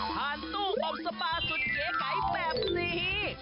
ตู้อบสปาสุดเก๋ไก่แบบนี้